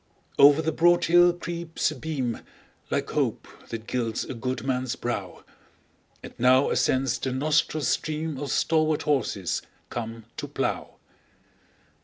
Over the broad hill creeps a beam, Like hope that gilds a good man's brow; 10 And now ascends the nostril stream Of stalwart horses come to plough.